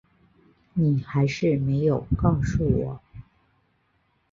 你还是没有告诉我